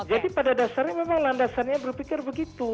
jadi pada dasarnya memang landasannya berpikir begitu